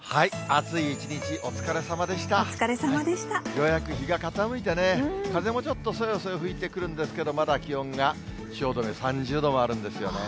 ようやく日が傾いてね、風もちょっとそよそよ吹いてくるんですけど、まだ気温が汐留３０度もあるんですよね。